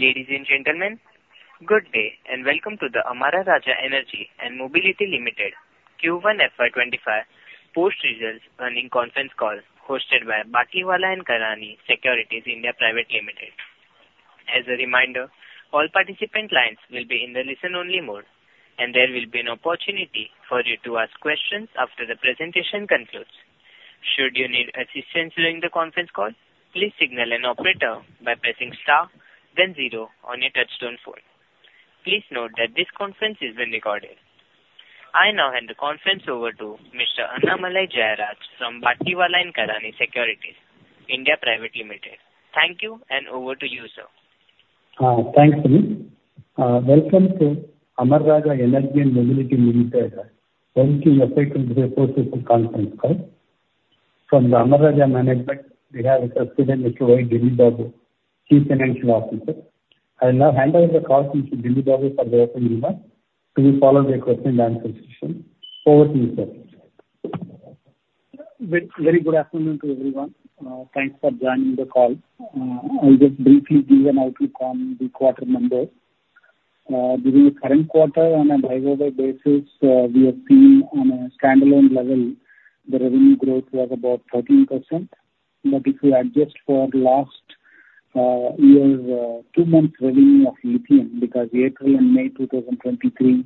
Ladies and gentlemen, Good day and welcome to the Amara Raja Energy & Mobility Limited Q1 FY25 post-results earnings conference call hosted by Batlivala & Karani Securities India Private Limited. As a reminder, all participant lines will be in the listen-only mode and there will be an opportunity for you to ask questions after the presentation concludes. Should you need assistance during the conference call, please signal an operator by pressing star then zero on your touchtone phone. Please note that this conference is being recorded. I now hand the conference over to Mr. Annamalai Jayaraj from Batlivala & Karani Securities India Private Limited. Thank you and over to you, sir. Thanks, Suneet. Welcome to Amara Raja Energy & Mobility Limited FY 2025 post-issue conference call. From the Amara Raja management, we have with us today Mr. Y. Delli Babu, Chief Financial Officer. I will now hand over the call to Mr. Delli Babu for the opening remarks to be followed by a question and answer session. Over to you, sir. Very good afternoon to everyone. Thanks for joining the call. I'll just briefly give an update on the quarter numbers. During the current quarter, on a year-over-year basis, we have seen on a standalone level, the revenue growth was about 13%. But if you adjust for last year's two months revenue of lithium, because April and May 2023,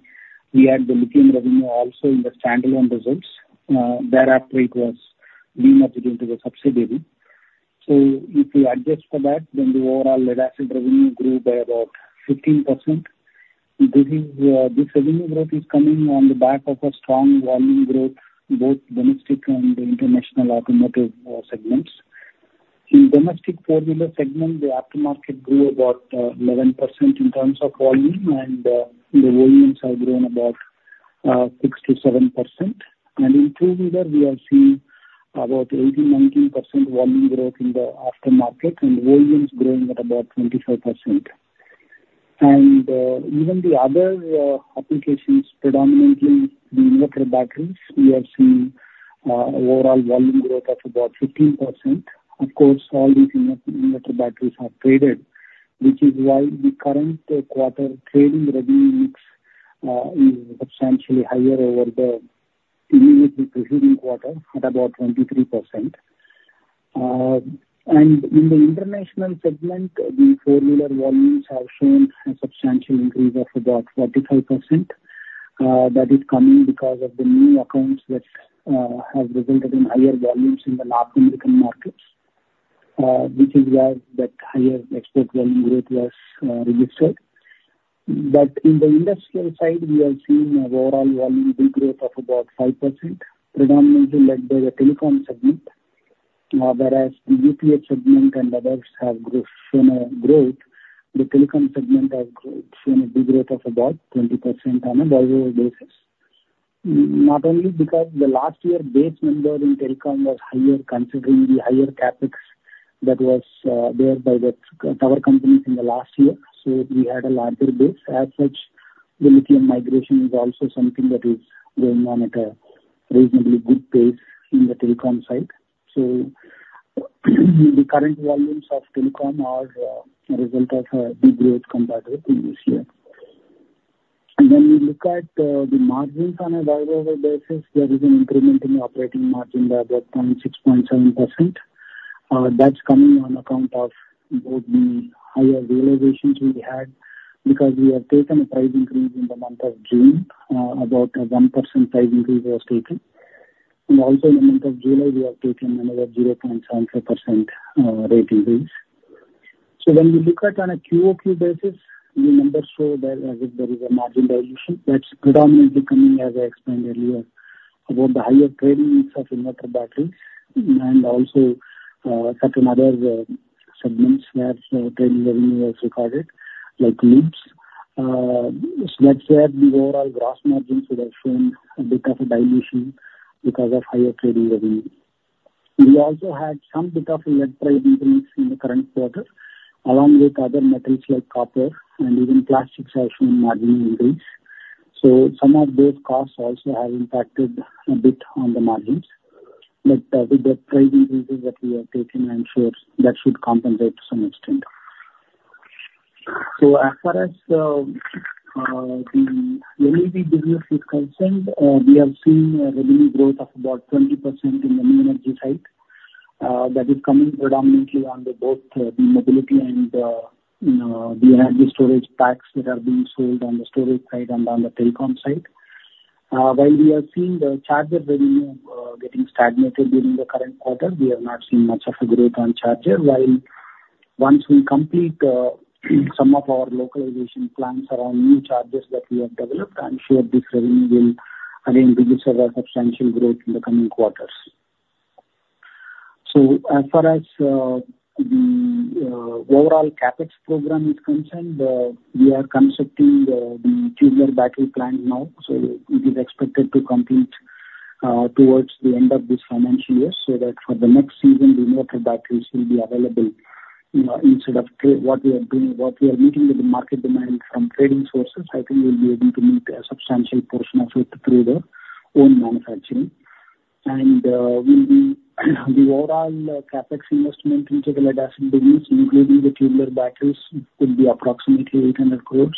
we had the lithium revenue also in the standalone results. Thereafter, it was demerged into the subsidiary. So if you adjust for that, then the overall lead-acid revenue grew by about 15%. This is, this revenue growth is coming on the back of a strong volume growth, both domestic and international automotive segments. In domestic four-wheeler segment, the aftermarket grew about 11% in terms of volume and the volumes have grown about 6%-7%. In three-wheeler, we are seeing about 18%-19% volume growth in the aftermarket and volume is growing at about 25%. Even the other applications, predominantly the inverter batteries, we are seeing overall volume growth of about 15%. Of course, all these inverter batteries are traded, which is why the current quarter trading revenue mix is substantially higher over the immediate preceding quarter, at about 23%. In the international segment, the four-wheeler volumes have shown a substantial increase of about 45%. That is coming because of the new accounts which have resulted in higher volumes in the North American markets, which is where that higher export volume growth was registered. But in the industrial side, we are seeing an overall volume degrowth of about 5%, predominantly led by the telecom segment, whereas the UPS segment and others have growth, shown a growth. The telecom segment has grown, shown a degrowth of about 20% on a year-over-year basis. Not only because the last year base number in telecom was higher, considering the higher CapEx that was there by the tower companies in the last year, so we had a larger base. As such, the lithium migration is also something that is going on at a reasonably good pace in the telecom side. The current volumes of telecom are a result of a degrowth compared with previous year. When we look at the margins on a year-over-year basis, there is an improvement in operating margin by about 0.67%. That's coming on account of both the higher realizations we had, because we have taken a price increase in the month of June. About a 1% price increase was taken and also in the month of July, we have taken another 0.7% rate increase. When we look at on a QOQ basis, the numbers show that there is a margin dilution that's predominantly coming, as I explained earlier, about the higher trading mix of inverter battery and also certain other segments where some trading revenue was recorded, like lubes. So that's where the overall gross margins would have shown a bit of a dilution because of higher trading revenue. We also had some bit of lead increase in the current quarter, along with other materials like copper and even plastics have shown price increase. So some of those costs also have impacted a bit on the margins. But with the price increases that we have taken, I'm sure that should compensate to some extent. So as far as the LEV business is concerned, we have seen a revenue growth of about 20% in the new energy side. That is coming predominantly under both the mobility and the energy storage packs that are being sold on the storage side and on the telecom side. While we are seeing the charger revenue getting stagnated during the current quarter, we have not seen much of a growth on charger. While once we complete some of our localization plans around new chargers that we have developed, I'm sure this revenue will again give us a substantial growth in the coming quarters. So as far as the overall CapEx program is concerned, we are constructing the tubular battery plant now, so it is expected to complete towards the end of this financial year. So that for the next season, the inverter batteries will be available, instead of what we are doing, what we are meeting with the market demand from trading sources, I think we'll be able to meet a substantial portion of it through the own manufacturing. will be the overall CapEx investment into the lead-acid business, including the tubular batteries, could be approximately 800 crore,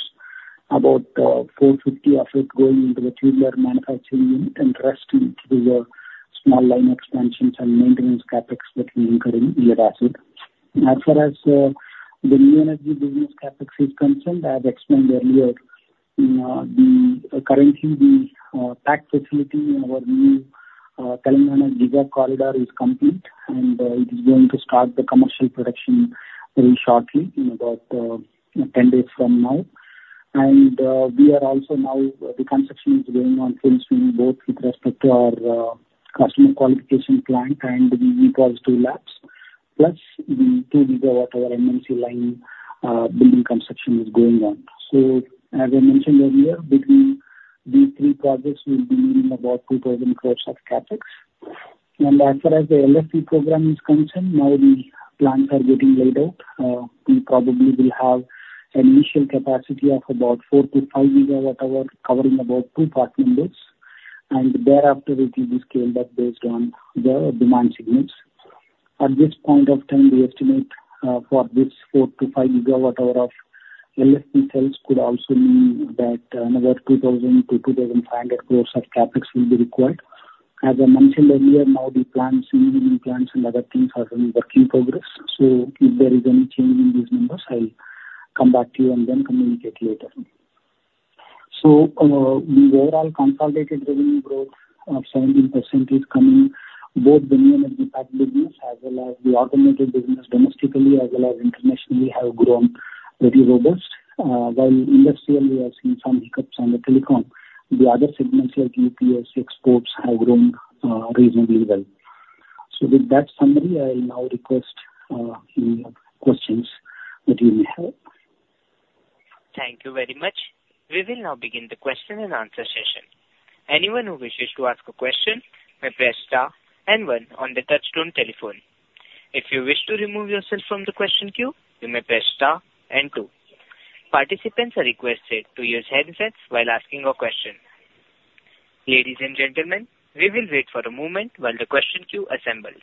about 450 of it going into the tubular manufacturing unit and rest into the small line expansions and maintenance CapEx that we incur in lead-acid. As far as the new energy business CapEx is concerned, I have explained earlier, you know, currently the pack facility in our new Telangana gigafactory is complete and it is going to start the commercial production very shortly, in about 10 days from now. We are also now the construction is going on full swing, both with respect to our customer qualification plant and the in-house two labs, plus the 2 GWh NMC line building construction is going on. So as I mentioned earlier, between these three projects, we'll be needing about 2,000 crore of CapEx. As far as the LFP program is concerned, now the plans are getting laid out. We probably will have an initial capacity of about 4-5 GWh, covering about two partner bids and thereafter it will be scaled up based on the demand signals. At this point of time, we estimate, for this 4-5 GWh of LFP cells could also mean that another 2,000- 2,500 crore of CapEx will be required. As I mentioned earlier, now the plans, engineering plans and other things are in working progress, so if there is any change in these numbers, I'll come back to you and then communicate later. The overall consolidated revenue growth of 17% is coming. Both the new energy pack business as well as the automotive business, domestically as well as internationally, have grown very robust. While industrially, we are seeing some hiccups on the telecom. The other segments, like UPS exports, have grown reasonably well. So with that summary, I'll now request any questions that you may have. Thank you very much. We will now begin the question and answer session. Anyone who wishes to ask a question may press star and one on the touchtone telephone. If you wish to remove yourself from the question queue, you may press star and two. Participants are requested to use headsets while asking a question. Ladies and gentlemen, we will wait for a moment while the question queue assembles.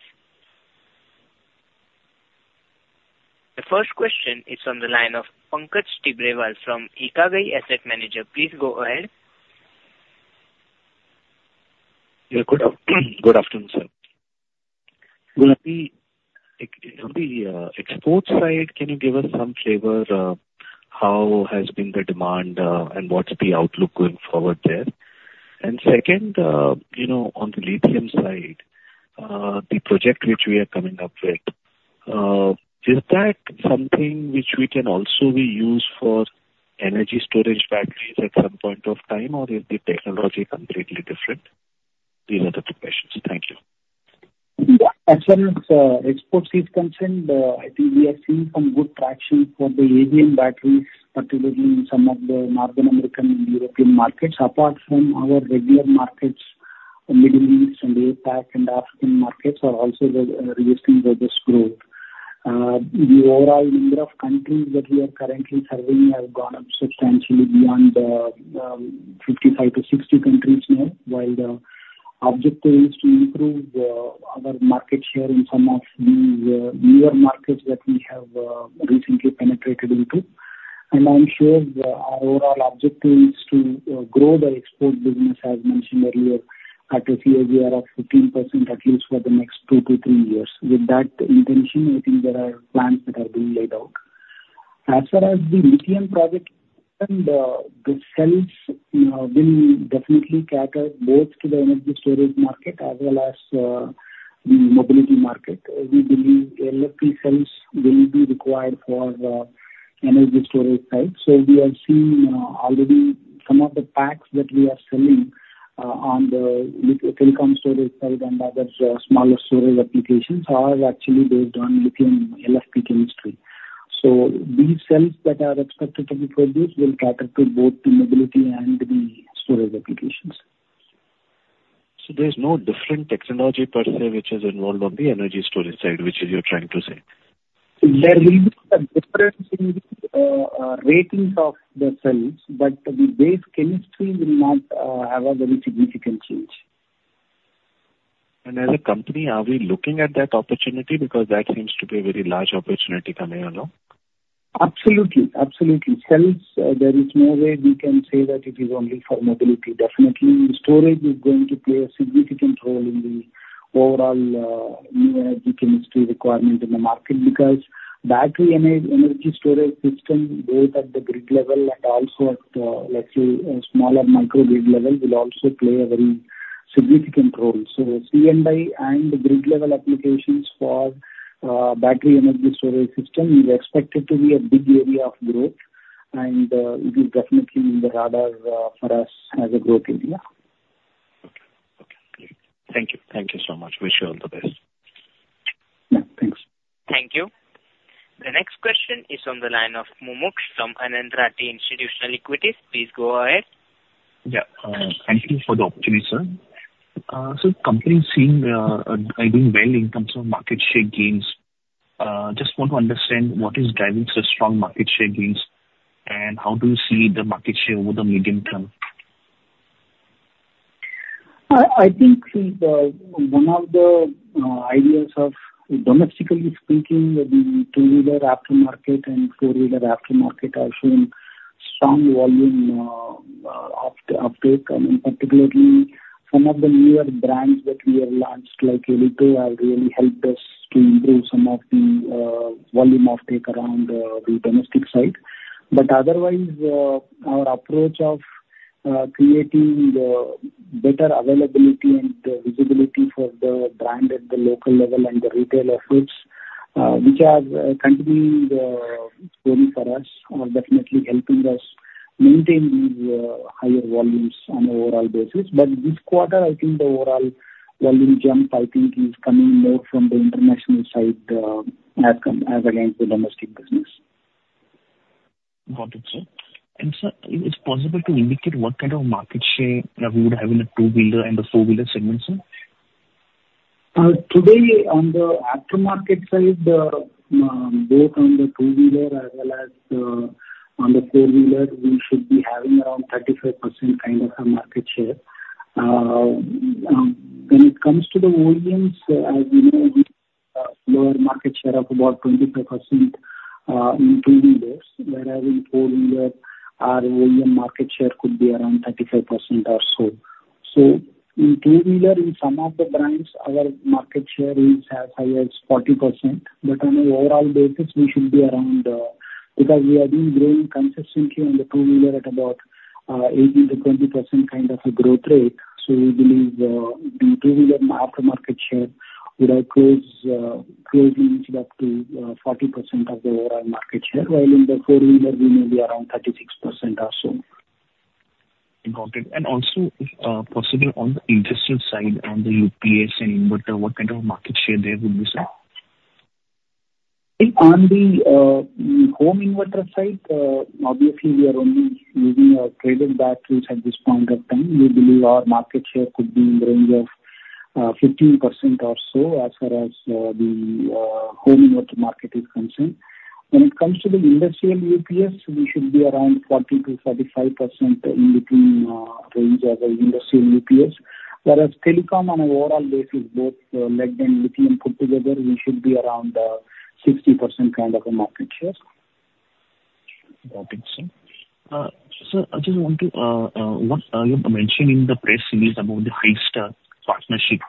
The first question is on the line of Pankaj Tibrewal from IKIGAI Asset Manager. Please go ahead. Good afternoon, sir. Like, on the export side, can you give us some flavor of how has been the demand and what's the outlook going forward there? And second, you know, on the lithium side, the project which we are coming up with, is that something which we can also be used for energy storage batteries at some point of time, or is the technology completely different? These are the two questions. Thank you. As far as exports is concerned, I think we have seen some good traction for the AGM batteries, particularly in some of the North American and European markets. Apart from our regular markets, the Middle East and APAC and African markets are also registering the best growth. The overall number of countries that we are currently serving have gone up substantially beyond 55-60 countries now, while the objective is to improve our market share in some of these newer markets that we have recently penetrated into and I'm sure the our overall objective is to grow the export business, as mentioned earlier, at a CAGR of 15%, at least for the next 2-3 years. With that intention, I think there are plans that are being laid out. As far as the lithium project and the cells will definitely cater both to the energy storage market as well as, the mobility market. We believe LFP cells will be required for energy storage sites. So we are seeing already some of the packs that we are selling on the telecom storage side and other smaller storage applications are actually based on lithium LFP chemistry. So these cells that are expected to be produced will cater to both the mobility and the storage applications. There's no different technology per se, which is involved on the energy storage side, which is you're trying to say? There will be a difference in the ratings of the cells, but the base chemistry will not have a very significant change. As a company, are we looking at that opportunity? Because that seems to be a very large opportunity coming along. Absolutely. Absolutely. Cells, there is no way we can say that it is only for mobility. Definitely, storage is going to play a significant role in the overall, new energy chemistry requirement in the market because battery and energy storage system both at the grid level and also let's say a smaller microgrid level, will also play a very significant role. So C&I and grid-level applications for, battery energy storage system is expected to be a big area of growth and it is definitely in the radars, for us as a growth area. Okay, great. Thank you so much. Wish you all the best. Thanks. Thank you. The next question is on the line of Mumuksh from Anand Rathi Institutional Equities. Please go ahead. Thank you for the opportunity, sir. So company is seeing doing well in terms of market share gains. Just want to understand what is driving such strong market share gains? And how do you see the market share over the medium term? I think one of the ideas, domestically speaking, the two-wheeler aftermarket and four-wheeler aftermarket are showing strong volume offtake. I mean, particularly some of the newer brands that we have launched, like Elito, have really helped us to improve some of the volume offtake around the domestic side. But otherwise, our approach of creating the better availability and visibility for the brand at the local level and the retail efforts, which are continuing strongly for us, are definitely helping us maintain these higher volumes on overall basis. But this quarter, I think the overall volume jump, I think, is coming more from the international side, as against the domestic business. Got it, Sir. Is it possible to indicate what kind of market share we would have in the two-wheeler and the four-wheeler segments, sir? Today, on the aftermarket side. Both on the two-wheeler as well as on the four-wheeler, we should be having around 35% kind of a market share. When it comes to the volumes, as you know, we lower market share of about 25% in two-wheelers, whereas in four-wheeler, our volume market share could be around 35% or so. So in two-wheeler, in some of the brands, our market share is as high as 40%, but on an overall basis, we should be around, because we have been growing consistently on the two-wheeler at about 18%-20% kind of a growth rate. So, We believe the two-wheeler aftermarket share will, of course, close up to 40% of the overall market share, while in the four-wheeler we may be around 36% or so. Got it. Also possibly on the industrial side, on the UPS and inverter, what kind of market share there would be, sir? On the home inverter side, obviously, we are only using traded batteries at this point of time. We believe our market share could be in the range of 15% or so, as far as the home inverter market is concerned. When it comes to the industrial UPS, we should be around 40%-45% in between range of the industrial UPS. Whereas telecom on an overall basis, both lead and lithium put together, we should be around 60% kind of a market share. Got it, Sir. I just want to, what, you mentioned in the press release about the Highstar partnership.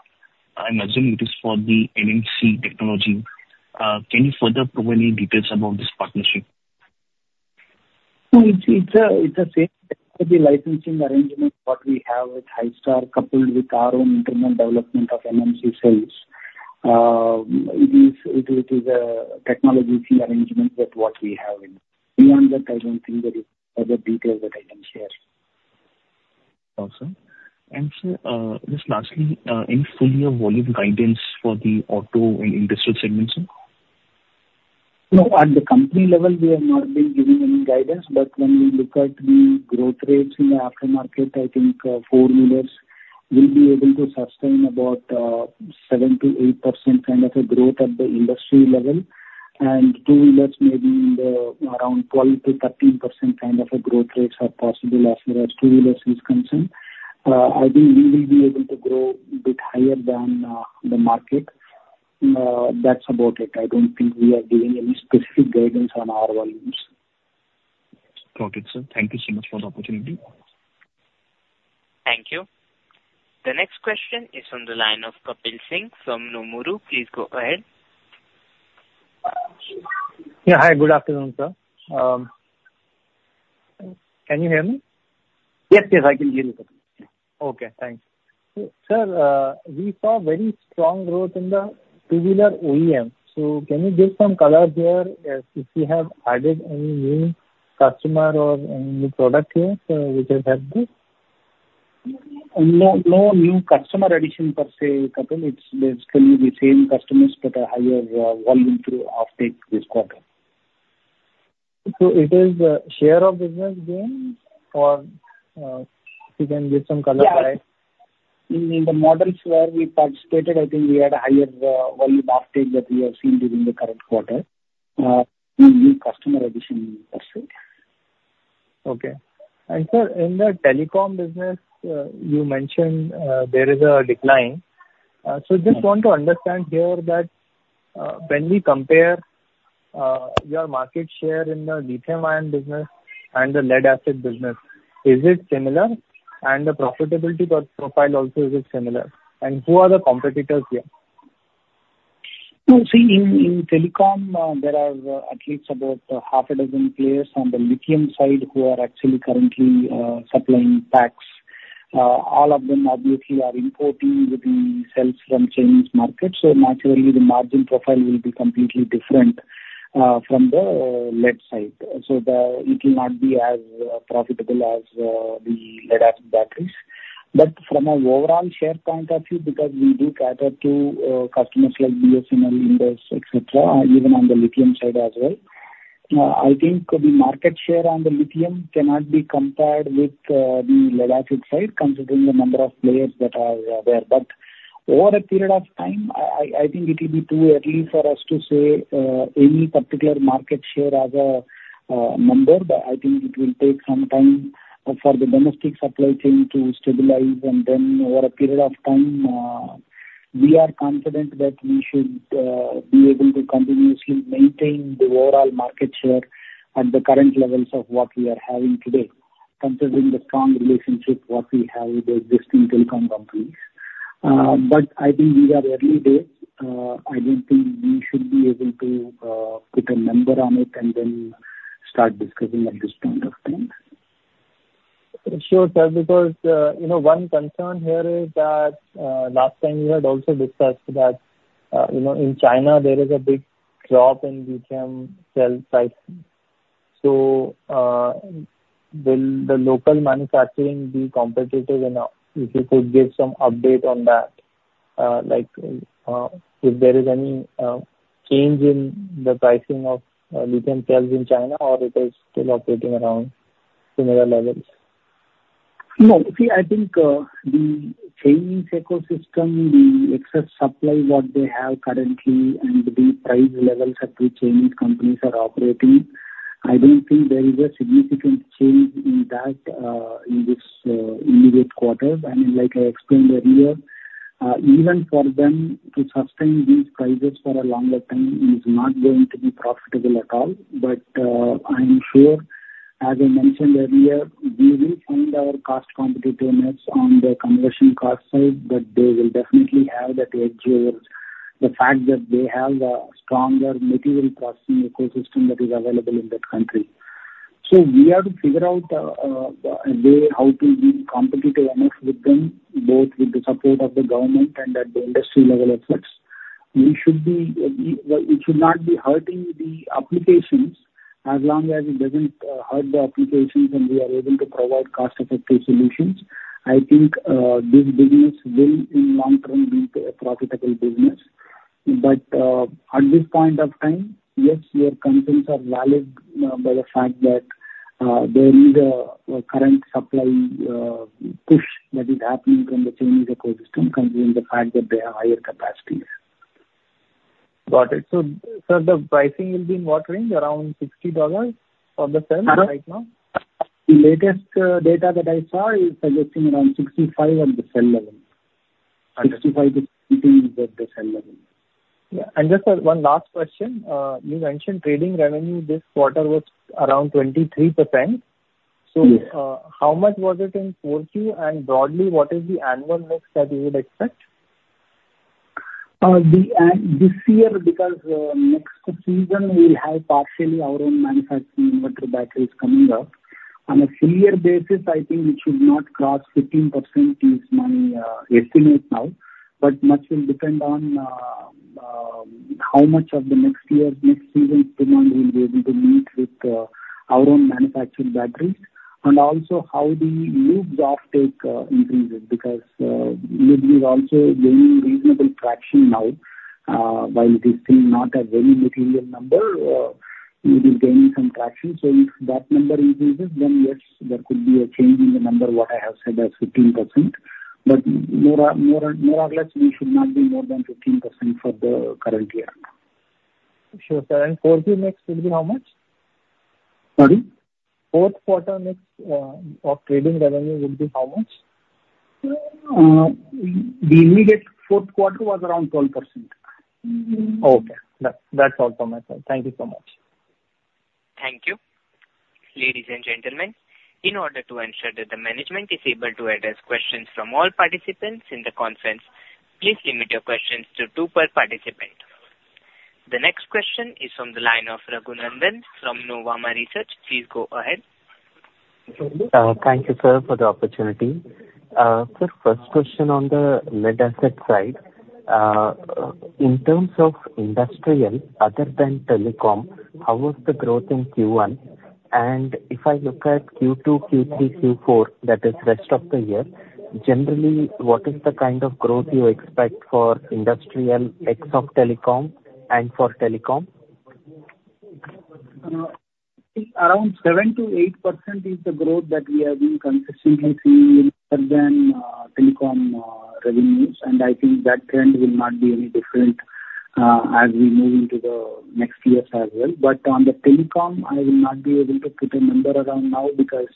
I'm assuming it is for the NMC technology. Can you further provide any details about this partnership? No, it's the same technology licensing arrangement that we have with Highstar coupled with our own internal development of NMC cells. It is a technology arrangement that we have in. Beyond that, I don't think there is other details that I can share. Awesome. Sir, just lastly, any full year volume guidance for the auto and industrial segment, sir? No, at the company level, we have not been giving any guidance, but when we look at the growth rates in the aftermarket, I think, four-wheelers will be able to sustain about, seven to eight percent kind of a growth at the industry level and two-wheelers may be in the around 12%-13% kind of a growth rates are possible as far as two-wheelers is concerned. I think we will be able to grow a bit higher than, the market. That's about it. I don't think we are giving any specific guidance on our volumes. Got it, sir. Thank you so much for the opportunity. Thank you. The next question is on the line of Kapil Singh from Nomura. Please go ahead. Hi, Good afternoon, sir. Can you hear me? Yes, I can hear you, Kapil. Okay, thanks. Sir, we saw very strong growth in the two-wheeler OEM. So can you give some color there, if you have added any new customer or any new product here, which has helped this? No new customer addition per se, Kapil. It's basically the same customers that are higher volume through offtake this quarter. So, is it share of business gains, or you can give some color why? In the models where we participated, I think we had a higher volume offtake than we have seen during the current quarter, no new customer addition per se. okay and sir, in the telecom business, you mentioned, there is a decline. So just want to understand here that, when we compare, your market share in the lithium-ion business and the lead acid business, is it similar? And the profitability per profile also, is it similar? And who are the competitors here? No, see in telecom, there are at least about half a dozen players on the lithium side who are actually currently supplying packs. All of them obviously are importing the cells from Chinese market, so naturally, the margin profile will be completely different from the lead side. So it will not be as profitable as the lead acid batteries. But from an overall share point of view, because we do cater to customers like BSNL, Indus, et cetera, even on the lithium side as well, I think the market share on the lithium cannot be compared with the lead acid side, considering the number of players that are there. Over a period of time, I think it will be too early for us to say any particular market share as a number, but I think it will take some time for the domestic supply chain to stabilize and then over a period of time, we are confident that we should be able to continuously maintain the overall market share at the current levels of what we are having today, considering the strong relationship what we have with the existing telecom companies. But I think these are early days. I don't think we should be able to put a number on it and then start discussing at this point of time. Sure, sir. Because you know, one concern here is that, last time you had also discussed that you know in China, there is a big drop in lithium cell prices. So, will the local manufacturing be competitive enough? If you could give some update on that. Like, if there is any change in the pricing of lithium cells in China or it is still operating around similar levels? No. See, I think, the Chinese ecosystem, the excess supply, what they have currently and the price levels at which Chinese companies are operating, I don't think there is a significant change in that, in this quarter. I mean, like I explained earlier, even for them to sustain these prices for a longer time is not going to be profitable at all. But, I'm sure, as I mentioned earlier, we will find our cost competitiveness on the conversion cost side, but they will definitely have that edge over the fact that they have a stronger material processing ecosystem that is available in that country. So we have to figure out, a way how to be competitive enough with them, both with the support of the government and at the industry level efforts. We should be, it should not be hurting the applications. As long as it doesn't hurt the applications and we are able to provide cost-effective solutions, I think, this business will in long term be a profitable business. But at this point of time, yes, your concerns are valid by the fact that there is a current supply push that is happening from the Chinese ecosystem considering the fact that they have higher capacities. Got it. So, so the pricing will be in what range? Around $60 for the sale right now? The latest data that I saw is suggesting around 65 at the cell level. 65 to 60 is at the cell level. And just, one last question. You mentioned trading revenue this quarter was around 23%.How much was it in Q4 and broadly, what is the annual mix that you would expect? This year, because next season we will have partially our own manufacturing battery batteries coming up. On a full year basis, I think it should not cross 15% is my estimate now, but much will depend on how much of the next year's, next season's demand we will be able to meet with our own manufactured batteries and also how the used offtake increases. Because it is also gaining reasonable traction now. While it is still not a very material number, it is gaining some traction. So if that number increases, then, yes, there could be a change in the number, what I have said as 15%, but more, more, more or less, we should not be more than 15% for the current year. Sure, sir. 4Q next will be how much? Pardon? Q4 next, of trading revenue would be how much? The immediate Q4 was around 12%. Okay. That's all for myself. Thank you so much. Thank you. Ladies and gentlemen, in order to ensure that the management is able to address questions from all participants in the conference, please limit your questions to two per participant. The next question is from the line of Raghunandan from Nuvama Institutional Equities. Please go ahead. Thank you, sir, for the opportunity. Sir, first question on the industrial side. In terms of industrial, other than telecom, how was the growth in Q1? And if I look at Q2, Q3, Q4, that is rest of the year, generally, what is the kind of growth you expect for industrial ex of telecom and for telecom? Around 7%-8% is the growth that we have been consistently seeing other than, telecom, revenues and I think that trend will not be any different, as we move into the next years as well. But on the telecom, I will not be able to put a number around now because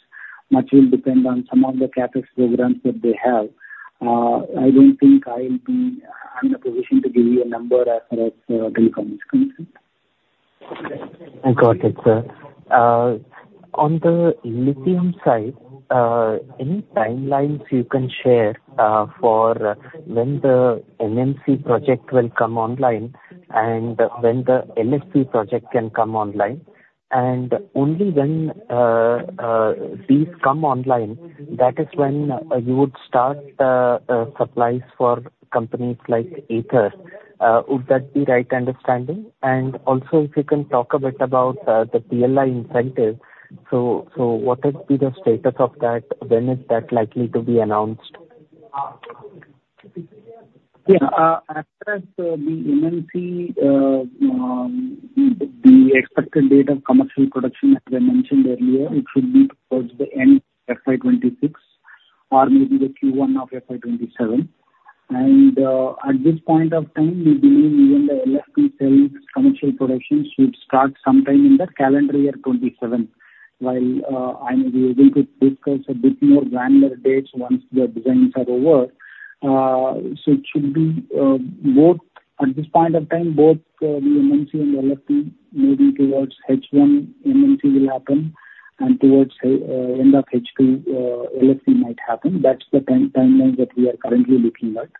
much will depend on some of the CapEx programs that they have. I don't think I will be in a position to give you a number as far as, telecom is concerned. I got it, sir. On the lithium side, any timelines you can share for when the NMC project will come online and when the LFP project can come online? And only when these come online, that is when you would start supplies for companies like Ather. Would that be right understanding? And also, if you can talk a bit about the PLI incentive. So, so what would be the status of that? When is that likely to be announced? As far as the NMC, the expected date of commercial production, as I mentioned earlier, it should be towards the end of FY26 or maybe the Q1 of fy27 and at this point of time, we believe even the LFP cell commercial production should start sometime in the calendar year 2027, while, I may be able to discuss a bit more granular dates once the designs are over. So it should be, both, at this point of time, both, the NMC and LFP, maybe towards H1, NMC will happen and towards, end of H2, LFP might happen. That's the timeline that we are currently looking at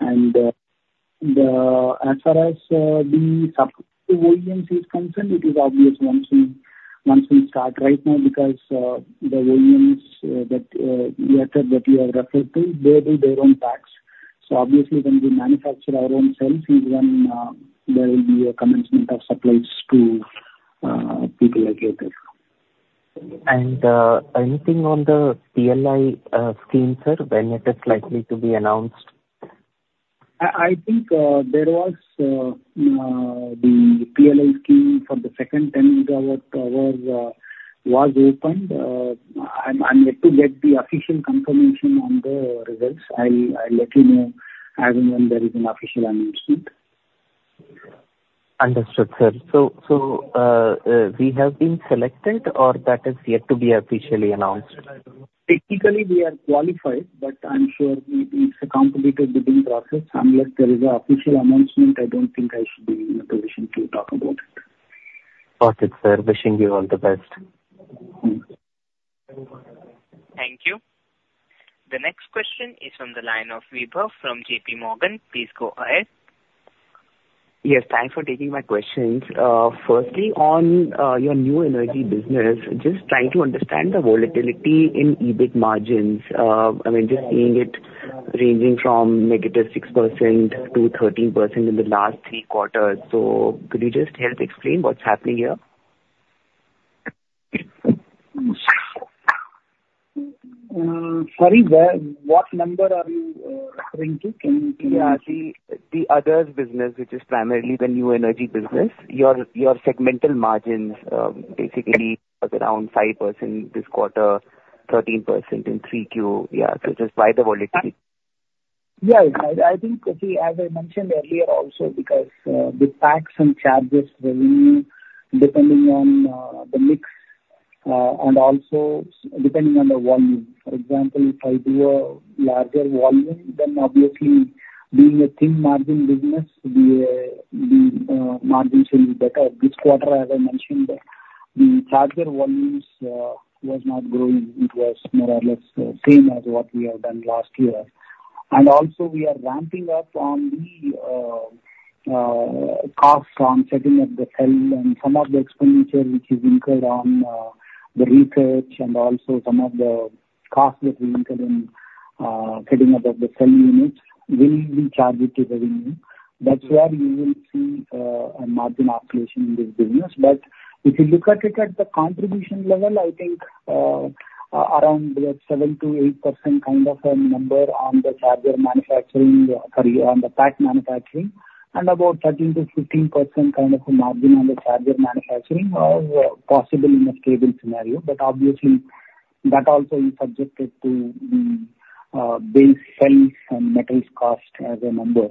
and as far as the sub OEM is concerned, it is obvious once we, once we start. Right now, because the OEMs that we attend, that we are referred to, they do their own packs. So obviously, when we manufacture our own cells, is when there will be a commencement of supplies to people like Ather. Anything on the PLI scheme, when it is likely to be announced? I think there was the PLI scheme for the second 10 gigawatt hour was opened. I'm yet to get the official confirmation on the results. I'll let you know as and when there is an official announcement. Understood, sir. So, we have been selected, or that is yet to be officially announced? Technically, we are qualified, but I'm sure it's a competitive bidding process. Unless there is an official announcement, I don't think I should be in a position to talk about it. Got it, sir. Wishing you all the best. Thank you. The next question is from the line of Vibhav from JPMorgan. Please go ahead. Yes, thanks for taking my questions. Firstly, on your new energy business, just trying to understand the volatility in EBIT margins. I mean, just seeing it ranging from -6% to 13% in the last three quarters. So could you just help explain what's happening here? Sorry, where, what number are you referring to? Can you- The others business, which is primarily the new energy business. Your segmental margins basically was around 5% this quarter 13% in 3Q. So, just why the volatility? I think, as I mentioned earlier also, because, the packs and chargers revenue, depending on, the mix and also depending on the volume. For example, if I do a larger volume, then obviously being a thin margin business, the, the, margins will be better. This quarter, as I mentioned, the charger volumes, was not growing. It was more or less the same as what we have done last year and also, we are ramping up on the, costs on setting up the cell and some of the expenditure which is incurred on, the research and also some of the costs that we incur in, setting up of the cell units, we will charge it to revenue. That's where you will see, a margin oscillation in this business. But if you look at it at the contribution level, I think, around the 7%-8% kind of a number on the charger manufacturing, sorry, on the pack manufacturing and about 13%-15% kind of a margin on the charger manufacturing are possible in a stable scenario. But obviously, that also is subjected to the base cells and metals cost as a number.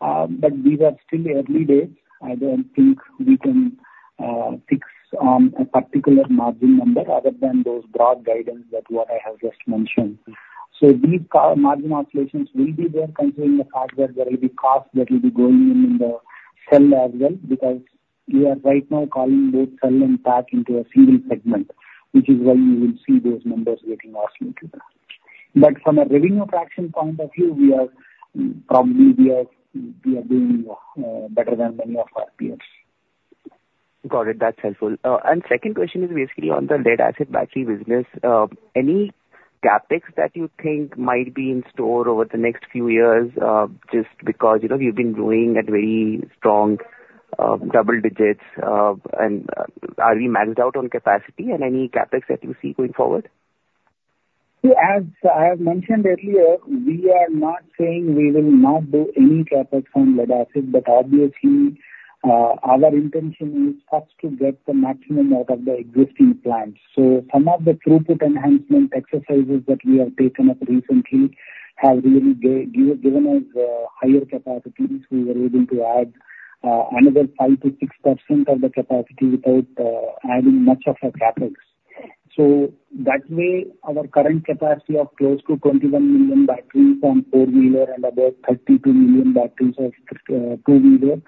But these are still early days. I don't think we can fix on a particular margin number other than those broad guidance that what I have just mentioned. So these core margin oscillations will be there considering the hardware. There will be costs that will be going in, in the cell as well, because we are right now calling both cell and pack into a single segment, which is why you will see those numbers getting oscillated. But from a revenue traction point of view, we are probably doing better than many of our peers. Got it. That's helpful and second question is basically on the lead-acid battery business. Any CapEx that you think might be in store over the next few years? Just because, you know, you've been growing at very strong double digits and are we maxed out on capacity and any CapEx that you see going forward? So as I have mentioned earlier, we are not saying we will not do any CapEx on lead-acid, but obviously, our intention is first to get the maximum out of the existing plants. So some of the throughput enhancement exercises that we have taken up recently have really given us higher capacities. We were able to add another 5-6% of the capacity without adding much of a CapEx. So that way, our current capacity of close to 21 million batteries on four-wheeler and about 32 million batteries of two-wheeler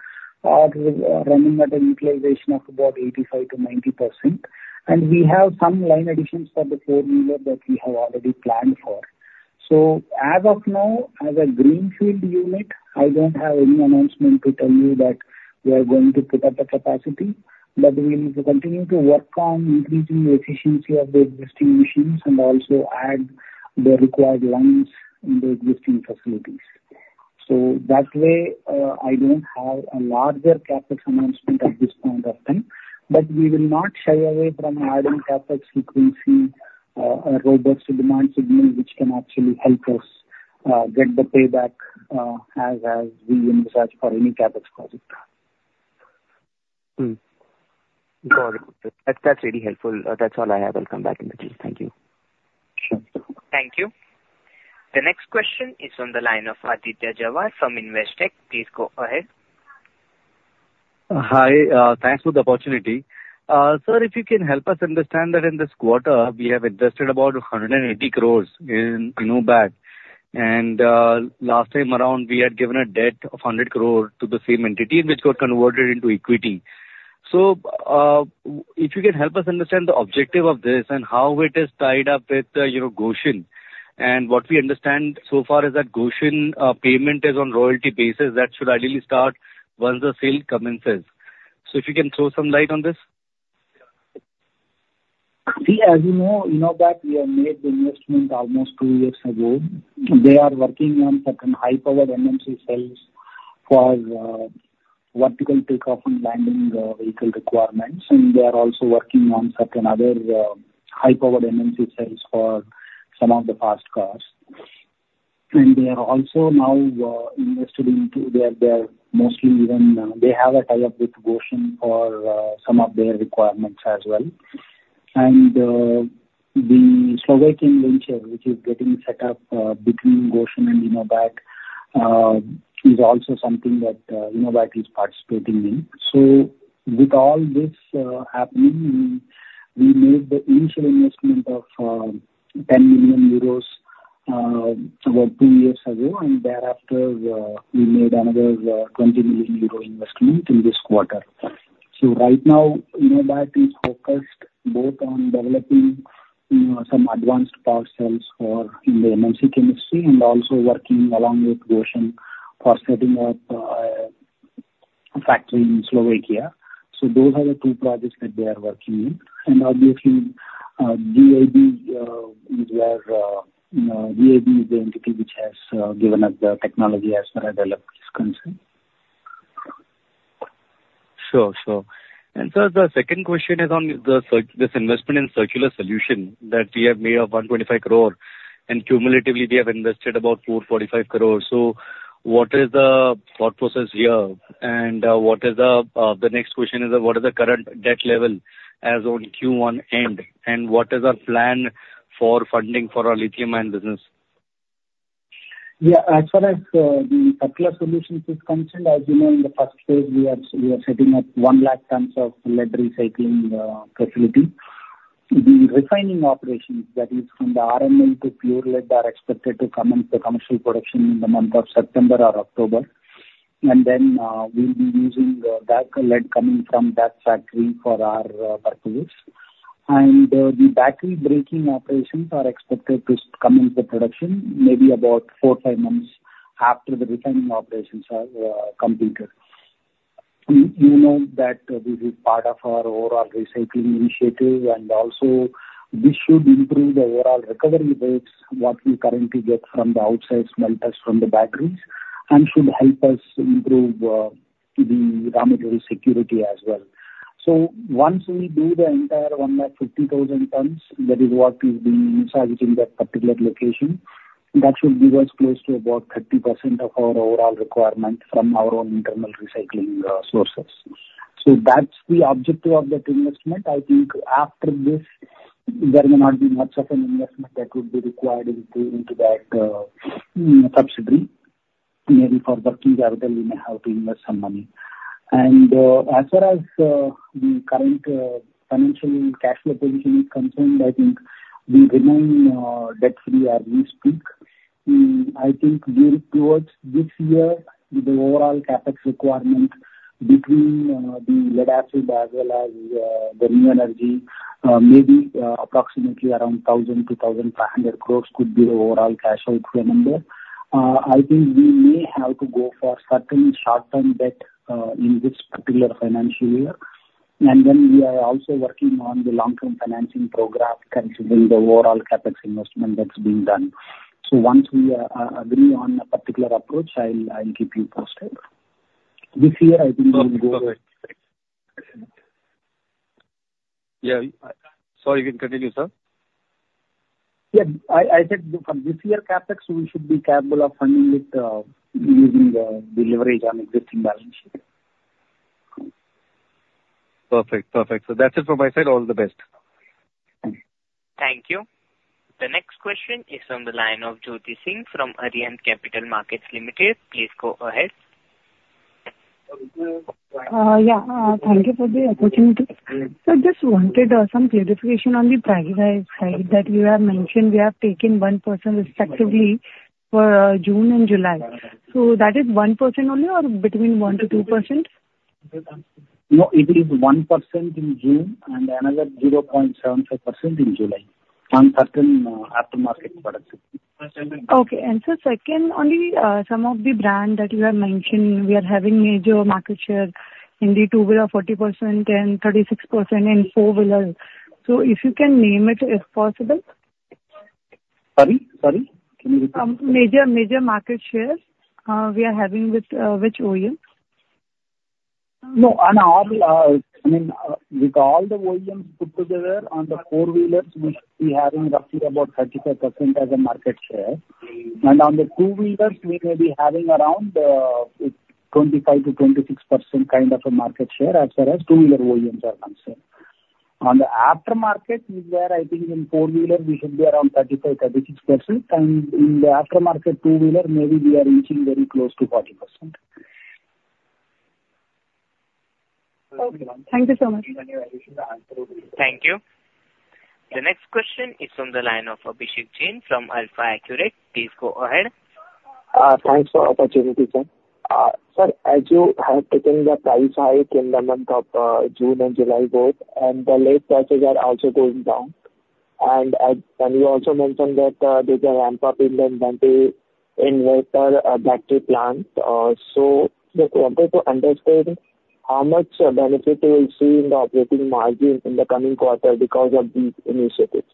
are running at a utilization of about 85%-90% and we have some line additions for the four-wheeler that we have already planned for. So as of now, as a greenfield unit, I don't have any announcement to tell you that we are going to put up a capacity, but we will continue to work on increasing the efficiency of the existing machines and also add the required lines in the existing facilities. So that way, I don't have a larger CapEx announcement at this point of time, but we will not shy away from adding CapEx if we see a robust demand signal, which can actually help us get the payback, as we invest for any CapEx project.... Mm-hmm. Got it. That's, that's really helpful. That's all I have. I'll come back in the queue. Thank you. Thank you. The next question is on the line of Aditya Jhawar from Investec. Please go ahead. Hi, thanks for the opportunity. Sir, if you can help us understand that in this quarter, we have invested about 180 crore in InoBat and last time around, we had given a debt of 100 crore to the same entity, which got converted into equity. So, if you can help us understand the objective of this and how it is tied up with Gotion and what we understand so far is that Gotion payment is on royalty basis. That should ideally start once the sale commences. So if you can throw some light on this? See, as you know, InoBat, we have made the investment almost two years ago. They are working on certain high-powered NMC cells for vertical take-off and landing vehicle requirements and they are also working on certain other high-powered NMC cells for some of the fast cars and they are also now they have a tie-up with Gotion for some of their requirements as well and the Slovakian venture, which is getting set up, between Gotion and InoBat, is also something that InoBat is participating in. So with all this happening, we made the initial investment of 10 million euros about two years ago and thereafter, we made another 20 million euro investment in this quarter. So right now, InoBat is focused both on developing, you know, some advanced power cells for the NMC industry and also working along with Gotion for setting up a factory in Slovakia. So those are the two projects that they are working in and obviously, GIB is our, GIB is the entity which has given us the technology as far as development is concerned. Sure, sure and sir, the second question is on the Circular Solutions Investment that we have made of 125 crore and cumulatively, we have invested about 445 crore. So what is the thought process here? And the next question is, what is the current debt level as on Q1 end and what is our plan for funding for our lithium-ion business? As far as the Circular Solutions is concerned, as you know, in the first phase, we are setting up 100,000 tons of lead recycling facility. The refining operations, that is from the RML to pure lead, are expected to commence the commercial production in the month of September or october and then, we'll be using that lead coming from that factory for our purpose and the battery breaking operations are expected to come into production maybe about 4-5 months after the refining operations are completed. You know that this is part of our overall recycling initiative and also this should improve the overall recovery rates what we currently get from the outside smelters from the batteries and should help us improve the raw material security as well. So once we do the entire 150,000 tons, that is what is being envisaged in that particular location, that should give us close to about 30% of our overall requirement from our own internal recycling sources. So that's the objective of that investment. I think after this, there may not be much of an investment that would be required into that subsidiary. Maybe for working capital, we may have to invest some money and as far as the current financial and cash flow position is concerned, I think we remain debt-free as we speak. I think going towards this year, the overall CapEx requirement between the lead-acid as well as the new energy maybe approximately around 1,000 crores-1,500 crores could be the overall cash outflow number. I think we may have to go for certain short-term debt in this particular financial year and then we are also working on the long-term financing program, considering the overall CapEx investment that's being done. So once we agree on a particular approach, I'll keep you posted. This year, I think we'll go- Perfect. sorry, you can continue, sir. I said for this year's CapEx, we should be capable of funding it using the leverage on existing balance sheet. Perfect sir. That's it from my side. All the best. Thank you. The next question is on the line of Jyoti Singh from Arihant Capital Markets Limited. Please go ahead. Thank you for the opportunity. So I just wanted some clarification on the price side, that you have mentioned we have taken 1% respectively for June and July. So that is 1% only or between 1%-2%? No, it is 1% in June and another 0.75% in July on certain auto market products. okay and so second, on the, some of the brand that you have mentioned, we are having major market share in the two-wheeler 40% and 36% in four-wheeler. So if you can name it, if possible? Sorry, sorry? Major market share we are having with which OEMs? No, on all, I mean, with all the OEMs put together on the four-wheelers, we, we are having roughly about 35% as a market share and on the two-wheelers, we may be having around, 25%-26% kind of a market share as far as two-wheeler OEMs are concerned. On the aftermarket is where I think in four-wheeler we should be around 35%-36% and in the aftermarket two-wheeler, maybe we are reaching very close to 40%. Okay. Thank you so much. Thank you. The next question is from the line of Abhishek Jain from AlfAccurate Advisors. Please go ahead. Thanks for the opportunity, sir. Sir, as you have taken the price hike in the month of June and July both and the lead prices are also going down and you also mentioned that there's a ramp up in the inventory inverter battery plant. So just wanted to understand how much benefit we will see in the operating margin in the coming quarter because of these initiatives?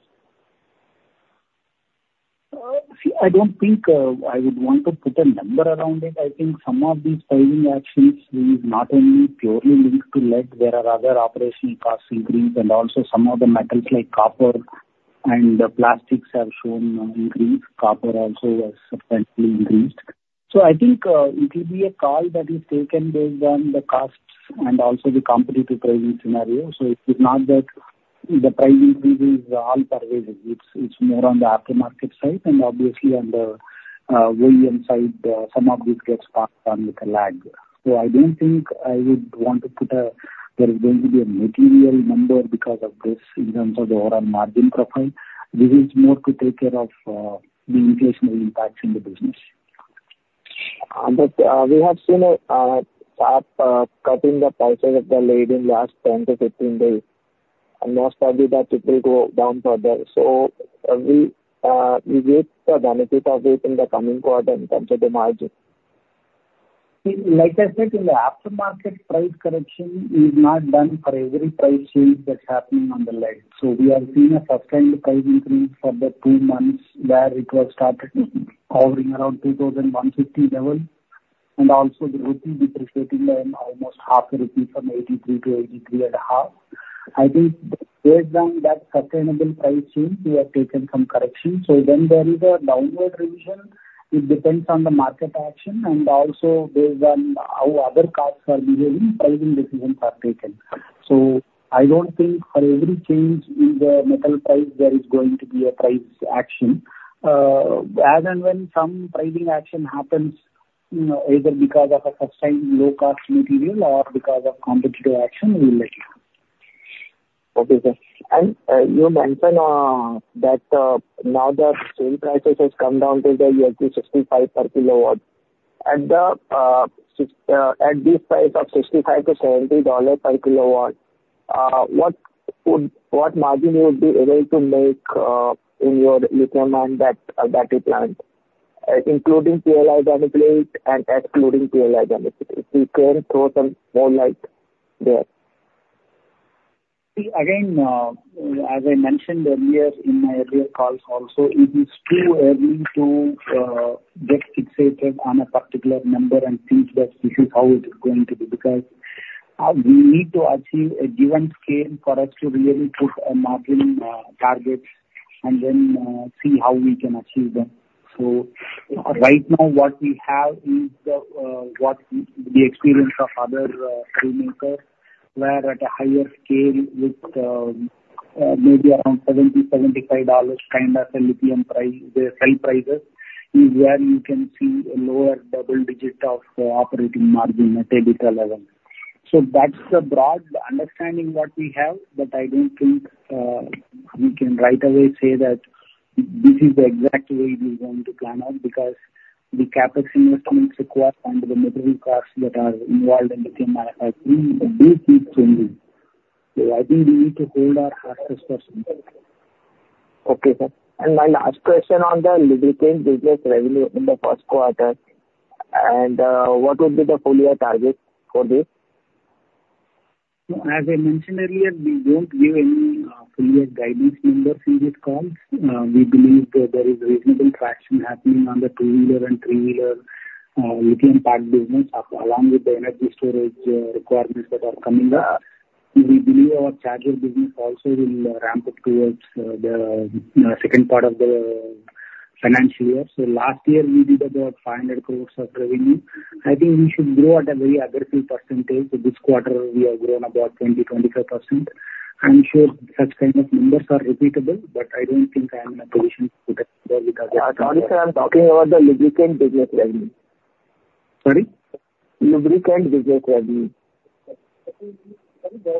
See, I don't think I would want to put a number around it. I think some of these pricing actions is not only purely linked to lead. There are other operational costs increase and also some of the metals like copper and plastics have shown an increase. Copper also has substantially increased. So I think it will be a call that is taken based on the costs and also the competitive pricing scenario. So it is not that the price increase is all pervasive. It's, it's more on the aftermarket side and obviously on the volume side, some of this gets passed on with a lag. So I don't think I would want to put a. There is going to be a material number because of this in terms of the overall margin profile. This is more to take care of the inflationary impacts in the business. But, we have seen a sharp cut in the prices of the lead in last 10-15 days and most probably that it will go down further. So we, we get the benefit of it in the coming quarter in terms of the margin. Like I said, in the aftermarket, price correction is not done for every price change that's happening on the lead. So we have seen a sustained price increase for the two months, where it was started hovering around 2,150 level and also the rupee depreciating by almost 0.5 INR from 83 rupee to 83.5. I think based on that sustainable price change, we have taken some correction. So when there is a downward revision, it depends on the market action and also based on how other costs are behaving, pricing decisions are taken. So I don't think for every change in the metal price, there is going to be a price action. As and when some pricing action happens, you know, either because of a sustained low cost material or because of competitive action, we will let you know. Okay, sir and you mentioned that now the same prices has come down to the $65 per kilowatt. At the, at this price of $65-$70 per kilowatt, what would, what margin you would be able to make, in your lithium-ion battery plant, including PLI benefit and excluding PLI benefit? If you can throw some more light there. See, again, as I mentioned earlier in my earlier calls also, it is too early to get fixated on a particular number and think that this is how it is going to be, because we need to achieve a given scale for us to really put a margin targets and then see how we can achieve them. So right now, what we have is the what the experience of other cell makers, where at a higher scale, with maybe around $70-$75, kind of a lithium price cell prices, is where you can see a lower double digit of operating margin at EBITDA level. So that's the broad understanding what we have, but I don't think we can right away say that this is the exact way it is going to pan out, because the CapEx investments required and the material costs that are involved in lithium ion, do keep changing. So I think we need to hold our horses for some time. Okay, sir. My last question on the Lubricant Business Revenue in the q1 and what would be the full year target for this? As I mentioned earlier, we don't give any full year guidance numbers in this call. We believe that there is reasonable traction happening on the two-wheeler and three-wheeler lithium part business, along with the energy storage requirements that are coming up. We believe our charger business also will ramp up towards the second part of the financial year. So last year we did about 500 crore of revenue. I think we should grow at a very aggressive percentage. So this quarter we have grown about 20%-25%. I'm sure such kind of numbers are repeatable, but I don't think I am in a position to tell because- Sorry sir, but I'm talking about the Lubricant Business Revenue. Sorry? Lubricant Business Revenue.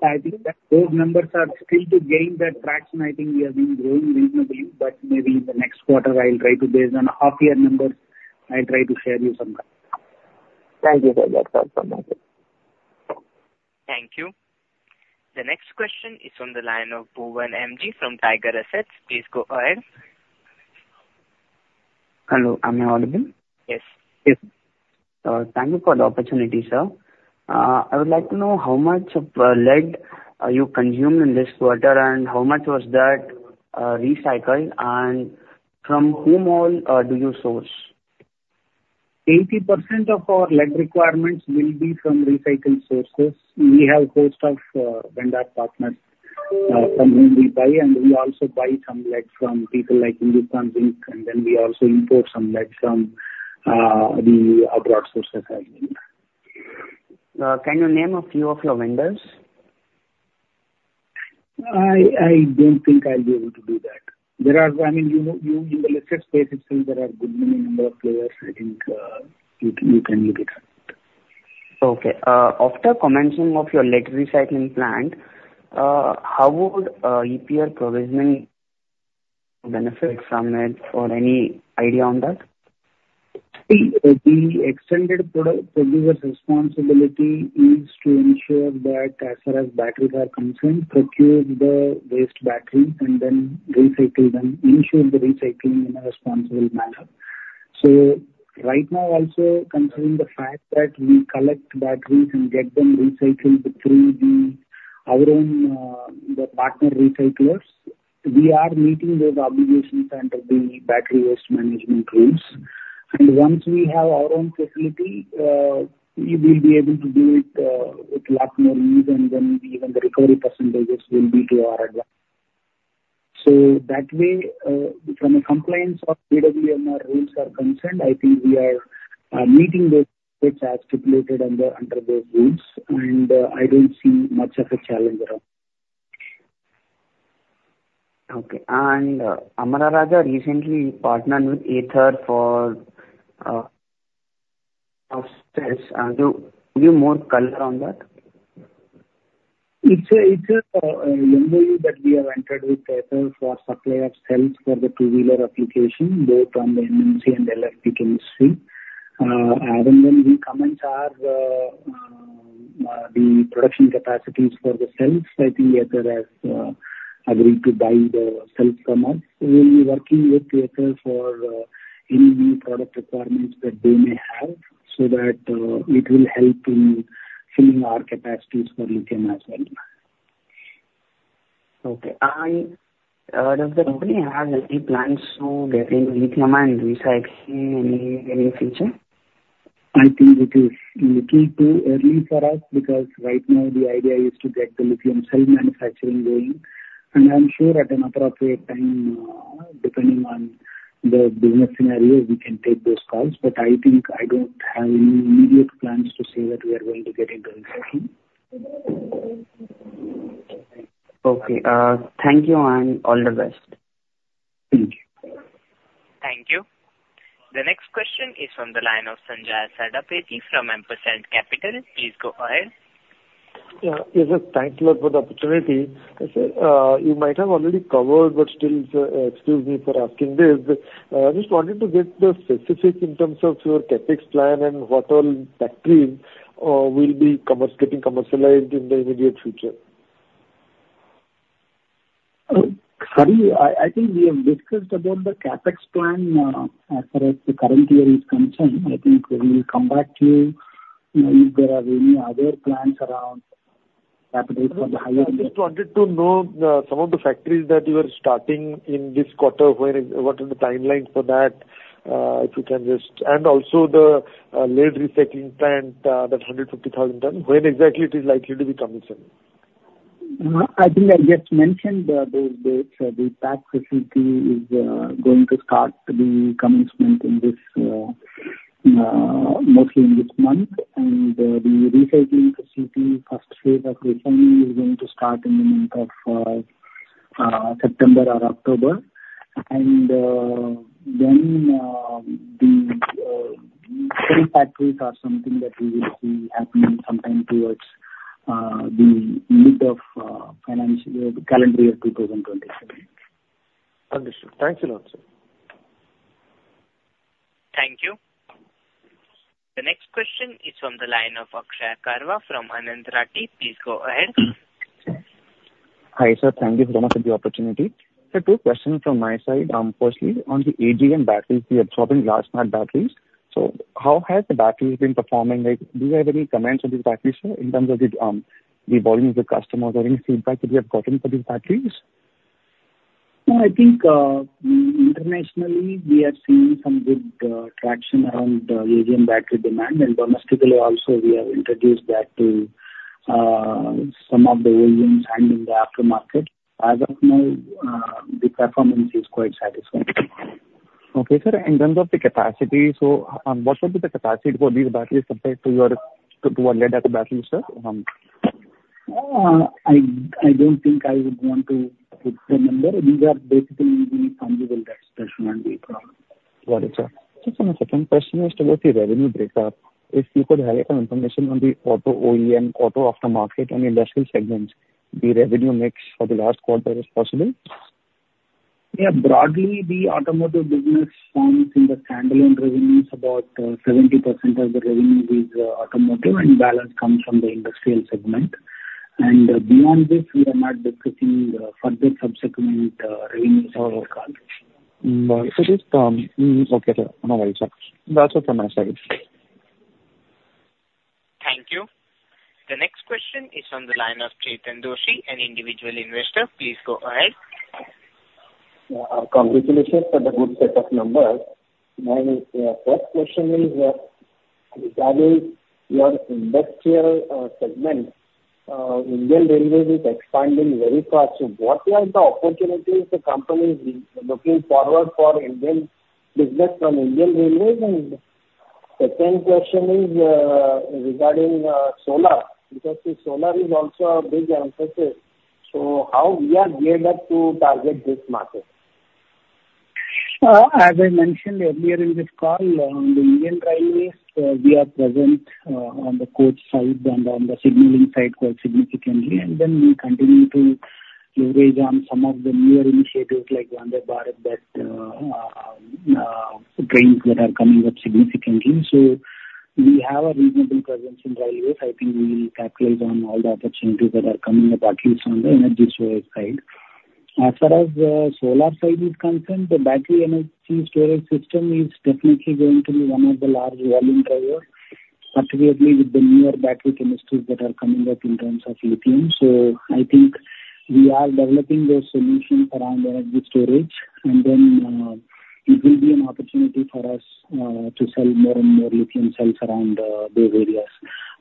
I think that those numbers are still to gain that traction. I think we have been growing reasonably, but maybe in the next quarter I'll try to base on half year numbers. I'll try to share you some numbers. Thank you for that. That's all from my side. Thank you. The next question is from the line of Bhuvan M.G. from Tiger Assets. Please go ahead. Hello, am I audible? Yes. Thank you for the opportunity, sir. I would like to know how much of lead you consumed in this quarter and how much was that recycled and from whom all do you source? 80% of our lead requirements will be from recycled sources. We have a host of vendor partners from whom we buy and we also buy some lead from people like Hindustan Zinc and then we also import some lead from the other sources as well. Can you name a few of your vendors? I don't think I'll be able to do that. There are, I mean, you know, in the listed space, I think there are good many number of players. I think you can look it up. After commencement of your lead recycling plant, how would EPR provisioning benefit from it, or any idea on that? The extended producer responsibility is to ensure that as far as batteries are concerned, procure the waste battery and then recycle them, ensure the recycling in a responsible manner. So right now, also considering the fact that we collect batteries and get them recycled through our own partner recyclers, we are meeting those obligations under the Battery Waste Management rules and once we have our own facility, we will be able to do it with lot more ease and then even the recovery percentages will be to our advantage. So that way, from a compliance of BWMR Rules are concerned, I think we are meeting those which are stipulated under those rules and I don't see much of a challenge around. Amara Raja recently partnered with Ather for. Can you give more color on that? It's a MOU that we have entered with Ather for supply of cells for the two-wheeler application, both on the NMC and electric industry. Other than the comments are, the production capacities for the cells, I think Ather has agreed to buy the cells from us. We will be working with Ather for any new product requirements that they may have, so that it will help in filling our capacities for lithium as well. And does the company have any plans to get into lithium-ion recycling in the near future? I think it is a little too early for us, because right now the idea is to get the lithium cell manufacturing going and I'm sure at an appropriate time, depending on the business scenario, we can take those calls. But I think I don't have any immediate plans to say that we are going to get into lithium. Thank you and all the best. Thank you. Thank you. The next question is on the line of Sanjay Satapathy from Ampersand Capital. Please go ahead. Yes, sir, thanks a lot for the opportunity. I say, you might have already covered, but still, excuse me for asking this, but, I just wanted to get the specifics in terms of your CapEx plan and what all factories will be getting commercialized in the immediate future. Sorry, I think we have discussed about the CapEx plan as far as the current year is concerned. I think we will come back to you if there are any other plans around CapEx for the high- I just wanted to know, some of the factories that you are starting in this quarter, where is... what are the timelines for that? If you can just.. and also the, lead recycling plant, that 150,000-ton, when exactly it is likely to be commissioned? I think I just mentioned, the pack facility is going to start the commencement in this, mostly in this month. The recycling facility, first phase of recycling is going to start in the month of September or October. Then, the three factories are something that we will see happening sometime towards the mid of financial year, the calendar year 2027. Understood. Thanks a lot, sir. Thank you. The next question is from the line of Akshay Karwa from Anand Rathi. Please go ahead. Hi, sir. Thank you so much for the opportunity. So two questions from my side. Firstly, on the AGM batteries, you are absorbing large amount batteries. So how has the batteries been performing? Like, do you have any comments on these batteries, sir, in terms of the volume of the customers or any feedback that you have gotten for these batteries? No, I think, internationally, we are seeing some good traction around AGM battery demand and domestically also, we have introduced that to some of the volumes and in the aftermarket. As of now, the performance is quite satisfactory. Okay, sir, in terms of the capacity, so, what would be the capacity for these batteries compared to your lead acid batteries, sir? I don't think I would want to give the number. These are basically the consumable type, especially when we Got it, sir. Just my second question is towards the revenue breakup. If you could highlight some information on the auto OEM, auto aftermarket and industrial segments, the revenue mix for the last quarter, if possible. Broadly, the automotive business forms in the standalone revenues, about 70% of the revenue is automotive and balance comes from the industrial segment. Beyond this, we are not discussing further sub-segment revenues on our call. If it is okay, sir. No worries, sir. That's it from my side. Thank you. The next question is from the line of Chetan Doshi, an individual investor. Please go ahead. Our congratulations for the good set of numbers. My first question is regarding your industrial segment. Indian Railways is expanding very fast. What are the opportunities the company is looking forward for Indian business from Indian Railways? And second question is regarding solar, because the solar is also a big emphasis. So how we are geared up to target this market? As I mentioned earlier in this call, on the Indian Railways, we are present on the coach side and on the signaling side quite significantly. We continue to leverage some of the newer initiatives, like Vande Bharat trains that are coming up significantly. We have a reasonable presence in railways. I think we will capitalize on all the opportunities that are coming up, at least on the energy storage side. As far as solar side is concerned, the battery energy storage system is definitely going to be one of the large volume driver, particularly with the newer battery chemistries that are coming up in terms of lithium. So I think we are developing those solutions around the energy storage and then, it will be an opportunity for us, to sell more and more lithium cells around, those areas.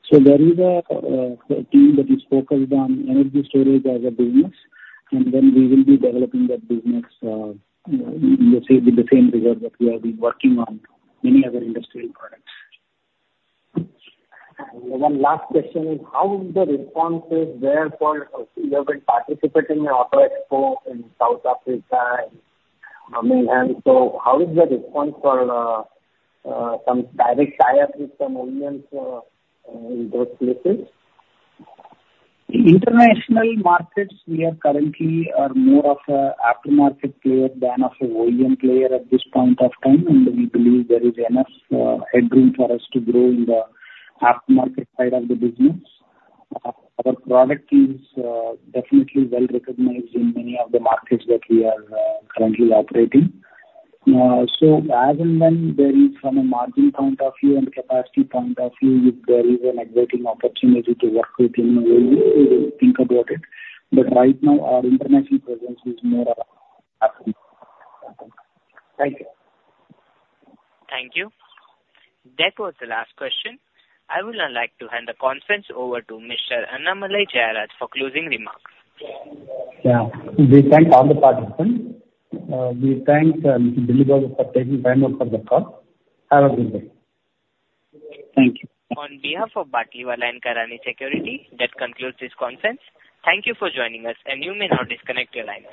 So there is a team that is focused on energy storage as a business and then we will be developing that business, you see, with the same rigor that we have been working on many other industrial products. One last question is: How is the response there for... You have been participating in the Auto Expo in South Africa and Oman. So how is the response for some direct tie-ups with some OEMs in those places? International markets, we are currently more of an aftermarket player than an OEM player at this point of time and we believe there is enough headroom for us to grow in the aftermarket side of the business. Our product is definitely well recognized in many of the markets that we are currently operating. So as and when there is, from a margin point of view and capacity point of view, if there is an exciting opportunity to work with an OEM, we will think about it. But right now, our international presence is more of Thank you. Thank you. That was the last question. I would now like to hand the conference over to Mr. Annamalai Jayaraj for closing remarks. We thank all the participants. We thank Mr. Delli Babu for taking time out for the call. Have a good day. Thank you. On behalf of Batlivala & Karani Securities, that concludes this conference. Thank you for joining us and you may now disconnect your line.